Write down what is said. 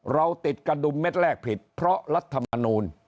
เราติดกระดุมเม็ดแรกผิดเพราะรัฐมนูล